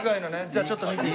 じゃあちょっと見て。